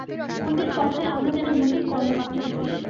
অন্যের কথায় আমরা যেন মোটেই কর্ণপাত না করি।